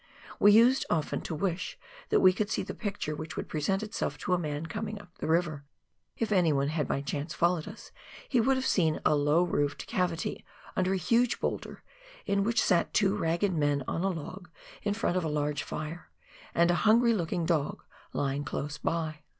We used often to wish that we could see the picture which would present itself to a man coming up the river ; if anyone had by chance followed us he would have seen a low roofed cavity under a huge boulder, in which sat two ragged men on a log in front of a large fire, and a hungry looking dog lying close by.